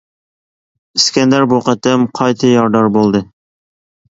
ئىسكەندەر بۇ قېتىم قايتا يارىدار بولدى.